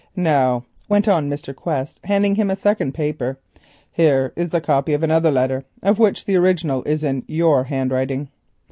"Now," went on Mr. Quest, handing him a second paper, "here is the copy of another letter, of which the original is in your handwriting."